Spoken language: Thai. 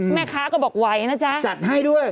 แม่ค้าก็บอกไหวนะจ๊ะจัดให้ด้วย